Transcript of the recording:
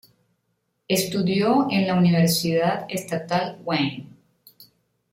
Estudió en la Universidad Estatal Wayne.